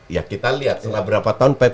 ya kita lihat setelah berapa tahun pet